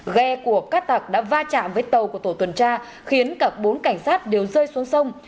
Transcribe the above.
ghe của các tạc đã va chạm với tàu của tổ tuần tra khiến cả bốn cảnh sát đều rơi xuống sông